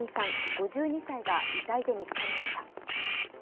５２歳が遺体で見つかりました。